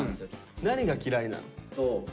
何が嫌いなの？